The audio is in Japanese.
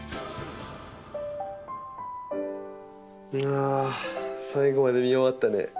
あ最後まで見終わったね。